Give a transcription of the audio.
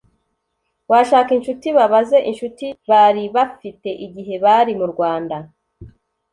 washaka incuti babaze incuti bari bafite igihe bari murwanda